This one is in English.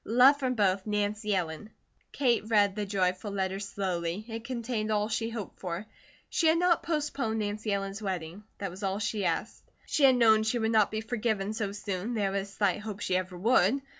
Love from both, NANCY ELLEN. Kate read the joyful letter slowly. It contained all she hoped for. She had not postponed Nancy Ellen's wedding. That was all she asked. She had known she would not be forgiven so soon, there was slight hope she ever would.